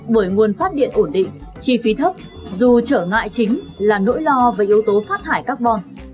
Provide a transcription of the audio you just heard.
bởi nguồn phát điện ổn định chi phí thấp dù trở ngại chính là nỗi lo về yếu tố phát thải carbon